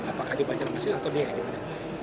apakah di banjarmasin atau di kalimantan